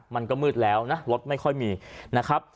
มันก็มืดแล้วนะรถไม่ค่อยมีนะครับ